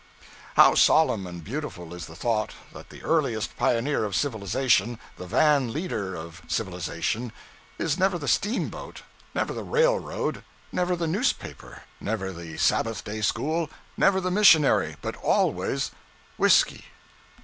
How solemn and beautiful is the thought, that the earliest pioneer of civilization, the van leader of civilization, is never the steamboat, never the railroad, never the newspaper, never the Sabbath school, never the missionary but always whiskey!